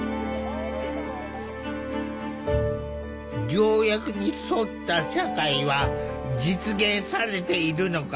条約に沿った社会は実現されているのか。